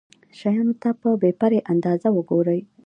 شيانو ته په بې پرې انداز وګوري.